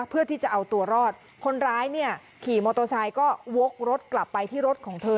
เพื่อที่จะเอาตัวรอดคนร้ายเนี่ยขี่มอเตอร์ไซค์ก็วกรถกลับไปที่รถของเธอ